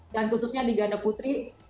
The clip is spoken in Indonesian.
khususnya di ganda putri